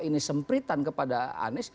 ini sempritan kepada anies